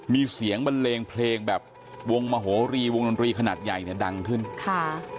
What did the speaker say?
มีเสียงบันเลงเพลงแบบวงมโหรีวงดนตรีขนาดใหญ่เนี่ยดังขึ้นค่ะ